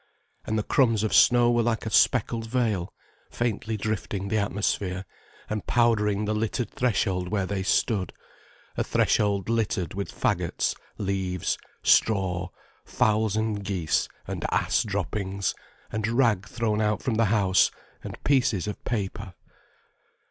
And the crumbs of snow were like a speckled veil, faintly drifting the atmosphere and powdering the littered threshold where they stood—a threshold littered with faggots, leaves, straw, fowls and geese and ass droppings, and rag thrown out from the house, and pieces of paper.